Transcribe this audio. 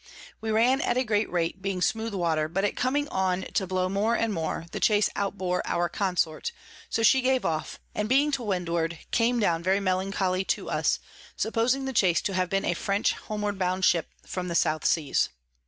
We ran at a great rate, being smooth Water; but it coming on to blow more and more, the Chase outbore our Consort: so she gave off, and being to Windward, came down very melancholy to us, supposing the Chase to have been a French homeward bound Ship from the South Seas.